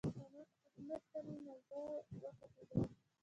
احمد ته مې ماغزه وخوټېدل.